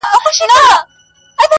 • هره شپه به مي کتاب درسره مل وي -